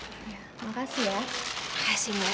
diminum satu hari sekali